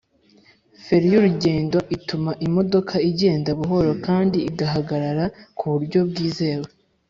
Feri y urugendo ituma imodoka igenda buhoro kandi igahagarara ku buryo bwizewe